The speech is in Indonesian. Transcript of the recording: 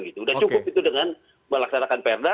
sudah cukup itu dengan melaksanakan perda